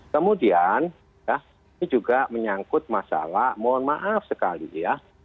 kemudian ini juga menyangkut masalah mohon maaf sekali ya